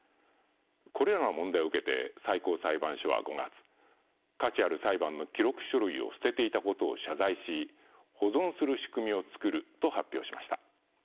これらの問題を受けて最高裁判所は５月価値ある裁判の記録書類を捨てていたことを謝罪し保存する仕組みを作ると発表しました。